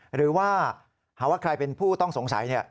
หรือว่าหาว่าใครเป็นผู้ต้องสงสัย